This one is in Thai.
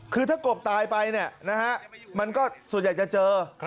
คือถ้ากบตายไปมันก็ส่วนใหญ่จะเจอ